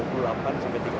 karena mereka sendiri oke